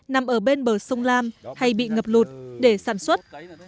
nằm ở bên bờ sông lam hay bị ngập lụt để sản xuất